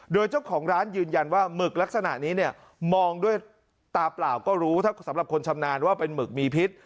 โดยเจ้าของร้านยืนยันว่าหมึกลักษณะนี้เนี่ยมองด้วยตาเปล่าก็รู้ถ้าสำหรับคนชำนาญว่าเป็นหมึกมีพิษ